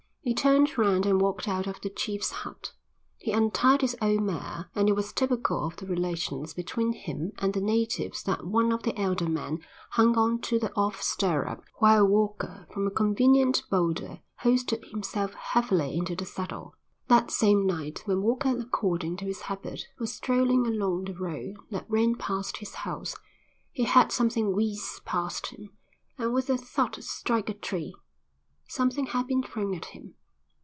He turned round and walked out of the chief's hut. He untied his old mare and it was typical of the relations between him and the natives that one of the elder men hung on to the off stirrup while Walker from a convenient boulder hoisted himself heavily into the saddle. That same night when Walker according to his habit was strolling along the road that ran past his house, he heard something whizz past him and with a thud strike a tree. Something had been thrown at him.